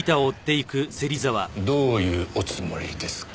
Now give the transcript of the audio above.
どういうおつもりですか？